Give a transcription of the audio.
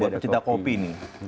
buat pecinta kopi nih